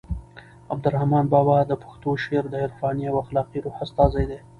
عبدالرحمان بابا د پښتو شعر د عرفاني او اخلاقي روح استازی دی.